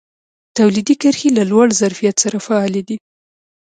تولیدي کرښې له لوړ ظرفیت سره فعالې دي.